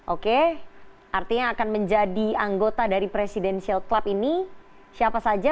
oke artinya akan menjadi anggota dari presidential club ini siapa saja